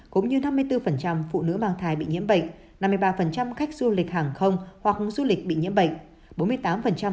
cũng như năm mươi bốn phụ nữ mang thai bị nhiễm bệnh năm mươi ba khách du lịch hàng không hoặc du lịch bị nhiễm bệnh